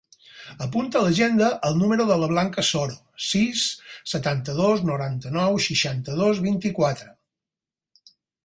Apunta a l'agenda el número de la Blanca Soro: sis, setanta-dos, noranta-nou, seixanta-dos, vint-i-quatre.